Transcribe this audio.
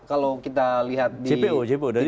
kalau kita lihat di titik titik ini